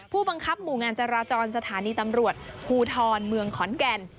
ผู้บังคับหมู่งานจราจรสถานีตำรวจภูทรเมืองขอนแก่น